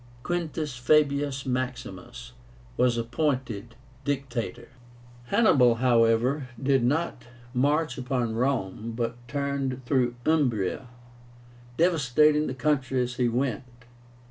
QUINTUS FABIUS MAXIMUS was appointed Dictator. Hannibal, however, did not march upon Rome, but turned through Umbria, devastating the country as he went.